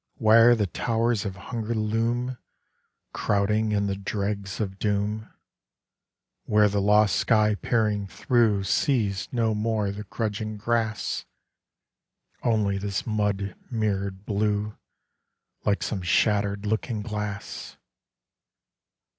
Where the Towers of Hunger loom, Crowding in the dregs of doom; Where the lost sky peering through Sees no more the grudging grass, Only this mud mirrored blue, Like some shattered looking glass.